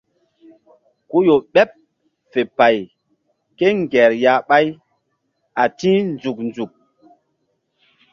Ku ƴo ɓeɓ fe payri kéŋger ya ɓáy a ti̧h nzuk nzuk.